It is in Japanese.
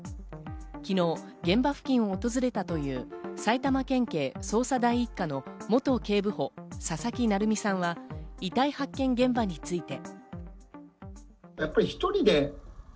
昨日、現場付近を訪れたという埼玉県警捜査第一課の元警部補・佐々木成三さんは遺体発見現場について。